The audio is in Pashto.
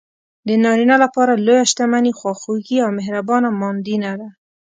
د نارینه لپاره لویه شتمني خواخوږې او مهربانه ماندینه ده.